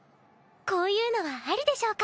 こういうのはありでしょうか？